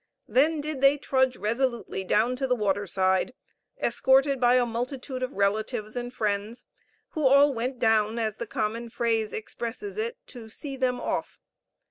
Then did they trudge resolutely down to the water side, escorted by a multitude of relatives and friends, who all went down, as the common phrase expresses it, "to see them off."